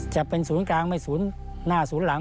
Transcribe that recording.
จะเป็นศูนย์กลางไม่ศูนย์หน้าศูนย์หลัง